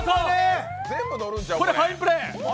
これはファインプレー。